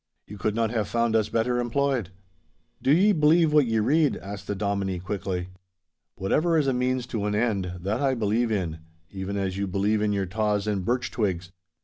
You could not have found us better employed.' 'Do ye believe what ye read?' asked the Dominie, quickly. 'Whatever is a means to an end, that I believe in—even as you believe in your taws and birch twigs.